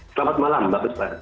selamat malam bagus banget